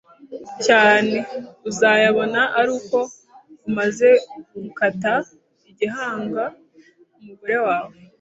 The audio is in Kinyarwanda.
cyane uzayabona aruko umaze gukata igihanga umugore wawe